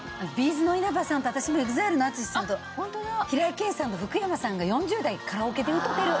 ’ｚの稲葉さんと私もＥＸＩＬＥのＡＴＳＵＳＨＩさんと平井堅さんと福山さんが４０代カラオケで歌うてる。